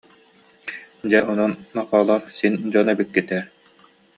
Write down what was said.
Дьэ, онон, но- холоор, син дьон эбиккит ээ